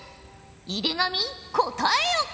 井手上答えよ。